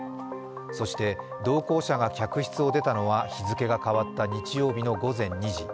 そして同行者が客室を出たのは日付が変わった日曜日の午前２時。